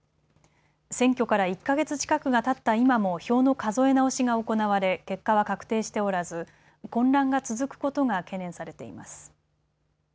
選挙から１か月近くがたった今も票の数え直しが行われ結果は確定しておらず混乱が続くことが懸念されています。